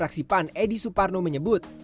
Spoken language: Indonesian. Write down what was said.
wakil ketua komisi tujuh dpr dari vat